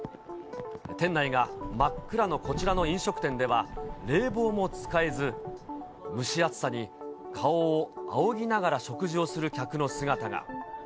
店内が真っ暗のこちらの飲食店では、冷房も使えず、蒸し暑さに、顔をあおぎながら食事をする客の姿が。